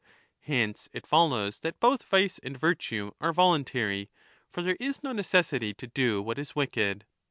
Hence, it follows that both vice and virtue are voluntary; for there is no necessity to do what is wicked.